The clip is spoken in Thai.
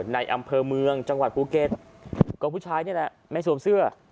ในอำเภอเมืองจังหวัดภูเก็ตก็ผู้ชายนี่แหละไม่สวมเสื้อ